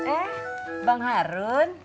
eh bang harun